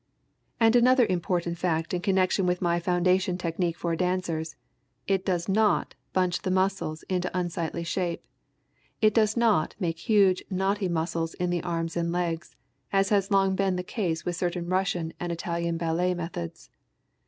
And another important fact in connection with my foundation technique for dancers, it does not bunch the muscles into unsightly shape; it does not make huge, knotty muscles in the arms and legs, as has long been the case with certain Russian and Italian ballet methods.